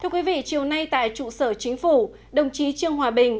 thưa quý vị chiều nay tại trụ sở chính phủ đồng chí trương hòa bình